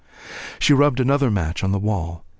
She rubbed another match against the wall.